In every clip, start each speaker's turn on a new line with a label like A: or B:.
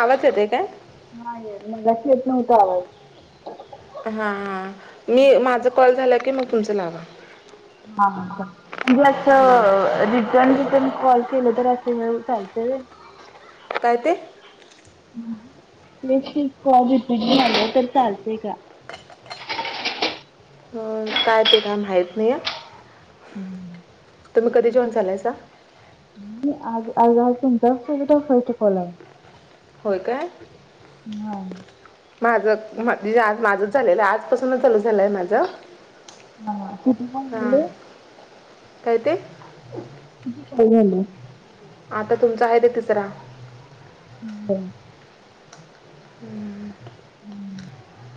A: आवाज ते का
B: हा ये मग गस येतन उठ आवा
A: हांां मी माझं कॉल झालं की मग तुमचं लावा
B: हा लक्ष
A: हां
B: ण तिथन कॉल केलं तर असं चालत
A: काय ते
B: कल रिपीट झा झालं तर चालतय का
A: अं, काय ते काय माहीत नाही आहे
B: हम
A: मी कधी जॉईन चालायसा
B: मी आज आज तुमच्या सोबतच फस्ट कॉल आहे.
A: होय काय?
B: हा
A: माझं दीदी माझं झालेलं आजपासूनच चालू झालंय माझं.
B: हा किती
A: हां
B: [unintelligible]
A: काय ते?
B: किती कॉल झाले?
A: आता तुमचा आहे ते तिसरा.
B: [unintelligible]
A: हम्म
B: हम्म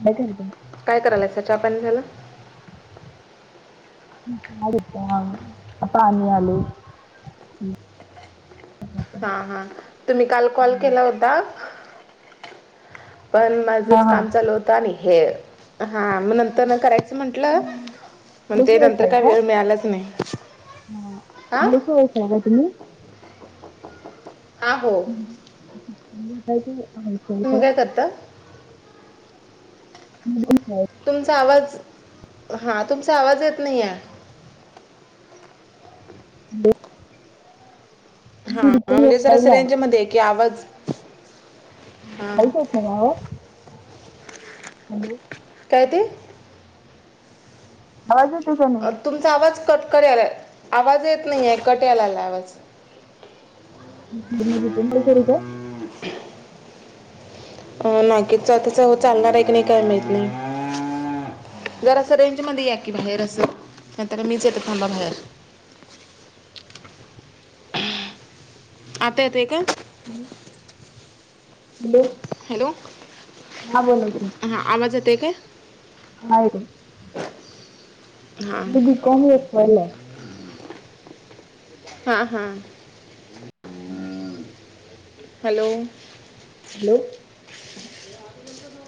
B: [unintelligible]
A: काय करालायसा चहा पाणी झाला?
B: [unintelligible] आता आम्ही आलोय.
A: हा हा तुम्ही काल कॉल केला होता. पण
B: हा
A: माझंच
B: हा
A: काम चालू होतं आणि हे हा मग नंतर न करायचं म्हंटलं
B: तुम्ही
A: पण
B: हाऊस
A: ते
B: वाईफ
A: नंतर
B: आहे
A: काही
B: काय?
A: वेळ मिळालाच नाही. हां
B: हा [unintelligible] आहे का तुम्ही
A: आ हो.
B: [unintelligible]
A: स तं
B: [unintelligible]
A: तुमचा आवाज हां तुमचा आवाज येत नाहीये.
B: [inaudible]
A: हा
B: मी रिटर्न
A: म्हणजे जरास
B: पहिला
A: रेंजमध्ये या की आवाज हां
B: [unintelligible] हॅलो
A: काय ते?
B: आवाज येतोय काय
A: अ,
B: नाही?
A: तुमचा आवाज कट करालाय आवाज येत नाही आहे कट यायलाय आवाज.
B: मी [unintelligible] रिटर्न करू काय.
A: अ [unintelligible] चालणार आहे की नाही काय माहित नाही. जरासं रेंज मध्ये या की बाहेर असं नाही तर मीच येते थांबा बाहेर. आता येतय काय?
B: हॅलो हॅलो
A: हॅलो
B: हा बोला की
A: ह आवाज येतय काय?
B: हा येतंय.
A: हा
B: बी कॉम एफ वायला आहे
A: हा हा
B: नाही.
A: हॅलो
B: हॅलो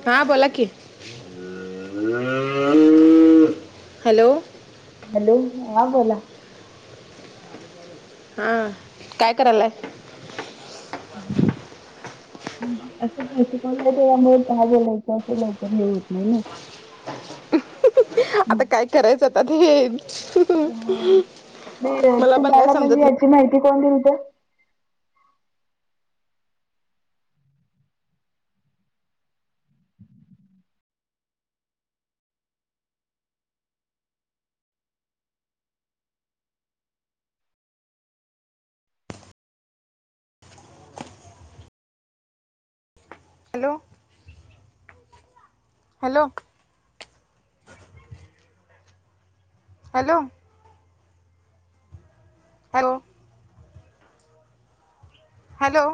A: हा बोला की. हॅलो
B: हॅलो हा बोला.
A: हा काय करायलाय?
B: नाही. म्हणजे असं [unintelligible] लवकर हे होत नाही ना.
A: आता काय करायचं आता ते.
B: हा,
A: मला पण काय
B: तुम्हाला म्हणजे
A: समजत नाही
B: याची माहिती कोण दिलत?
A: Hello. Hello hello hello hello